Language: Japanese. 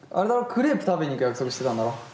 クレープ食べに行く約束してたんだろ？